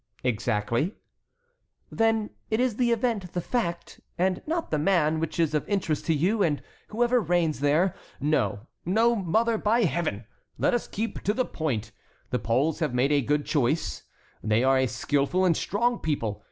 "Exactly." "Then it is the event, the fact, and not the man, which is of interest to you, and whoever reigns there"— "No, no, mother, by Heaven! Let us keep to the point! The Poles have made a good choice. They are a skilful and strong people!